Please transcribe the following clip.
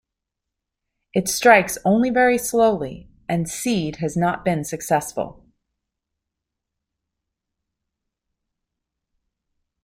It strikes only very slowly and seed has not been successful.